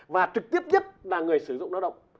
và trực tiếp nhất là người sử dụng lao động